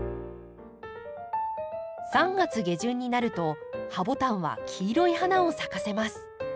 ３月下旬になるとハボタンは黄色い花を咲かせます。